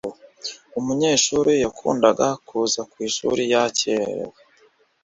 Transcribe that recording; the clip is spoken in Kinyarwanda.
Umunyeshuri yakundaga kuza ku ishuri yakererewe.